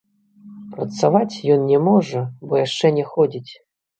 Працаваць ён не можа, бо яшчэ не ходзіць.